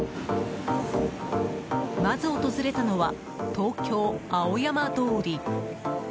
まず訪れたのは、東京・青山通り。